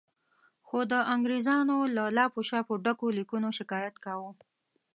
خو د انګریزانو له لاپو شاپو ډکو لیکونو شکایت کاوه.